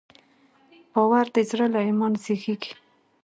باور د زړه له ایمان زېږېږي.